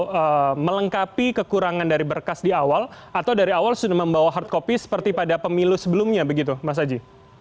jadi ini yang membawa atau melengkapi kekurangan dari berkas di awal atau dari awal sudah membawa hard copy seperti pada pemilu sebelumnya begitu mas aji